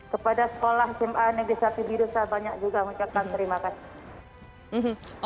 kepada sekolah sma negeri satu di desa banyak juga mengucapkan terima kasih